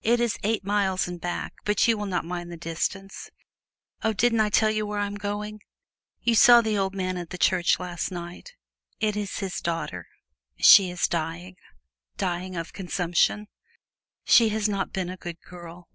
It is eight miles and back, but you will not mind the distance. Oh, didn't I tell you where I'm going? You saw the old man at the church last night it is his daughter she is dying dying of consumption. She has not been a good girl.